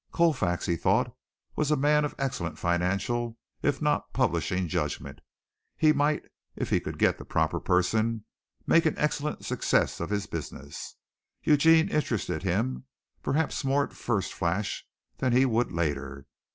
Colfax, he thought, was a man of excellent financial if not publishing judgment. He might, if he could get the proper person, make an excellent success of his business. Eugene interested him, perhaps more at first flash than he would later.